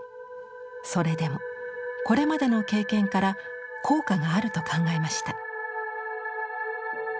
それでもこれまでの経験から効果があると考えました。